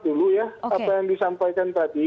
dulu ya apa yang disampaikan tadi